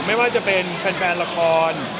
ไม่ว่าจะเป็นแฟนละคร